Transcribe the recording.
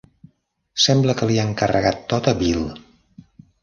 Sembla que l'hi han carregat tot a Bill!